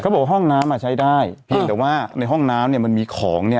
บอกห้องน้ำอ่ะใช้ได้เพียงแต่ว่าในห้องน้ำเนี่ยมันมีของเนี่ย